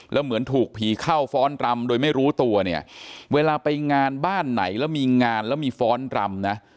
แล้วเหมือนถูกผีเข้าฟ้อนรำโดยไม่รู้ตัวเนี่ยเวลาไปงานบ้านไหนแล้วมีงานแล้วมีฟ้อนรำนะ